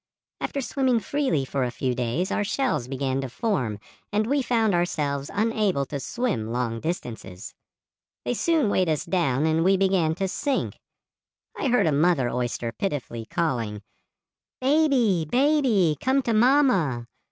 After swimming freely for a few days our shells began to form and we found ourselves unable to swim long distances. They soon weighted us down and we began to sink. I heard a mother oyster pitifully calling, 'Baby, baby, come to mamma.